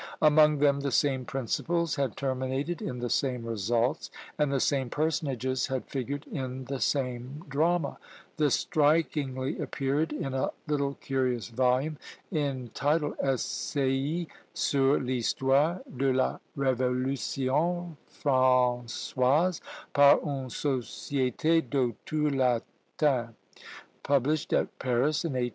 Among them the same principles had terminated in the same results, and the same personages had figured in the same drama. This strikingly appeared in a little curious volume, entitled, "Essai sur l'Histoire de la Révolution Françoise, par une Société d'Auteurs Latins," published at Paris in 1801.